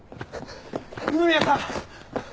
二宮さん！